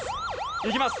いきます。